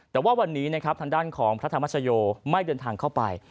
แต่ว่าวันนี้นะครับทางด้านของพระธรรมชโยไม่เดินทางเข้าไป